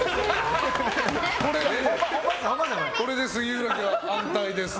これで杉浦家は安泰ですって？